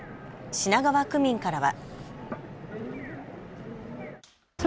品川区民からは。